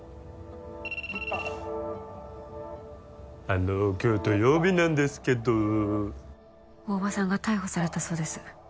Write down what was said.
あの今日土曜日なんですけど大庭さんが逮捕されたそうです